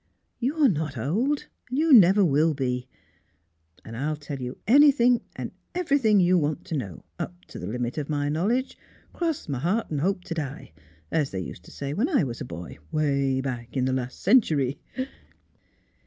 *' You're not old, and you never will be ! And I'll tell you anything and everything you want to know, up to the limit of my knowledge, cross my heart an' hope t' die, as they used to say when I was a boy, 'way back in the last century."